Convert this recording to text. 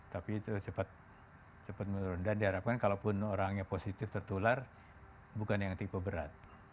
tapi itu cepat menurun dan diharapkan kalaupun orangnya positif tertular bukan yang tipe berat